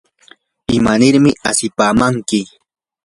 ¿imanirmi asipamanki?